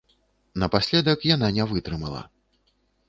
Напаследак яна не вытрымала.